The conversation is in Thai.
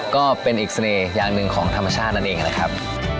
ก็เป็นบริเวณของประเทศเพื่อนบ้านอิตองจากด้านหลังผมเนี่ยนะครับ